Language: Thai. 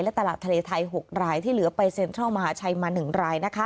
ตลาดทะเลไทย๖รายที่เหลือไปเซ็นทรัลมหาชัยมา๑ราย